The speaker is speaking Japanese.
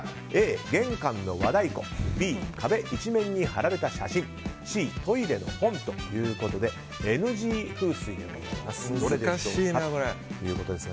Ａ、玄関の和太鼓Ｂ、壁一面に貼られた写真Ｃ、トイレの本ということでＮＧ風水はどれでしょうかということです。